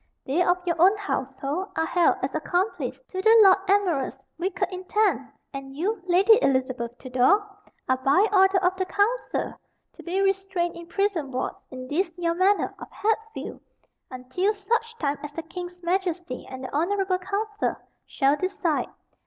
They of your own household are held as accomplice to the Lord Admiral's wicked intent, and you, Lady Elizabeth Tudor, are by order of the council to be restrained in prison wards in this your manor of Hatfield until such time as the king's Majesty and the honorable council shall decide.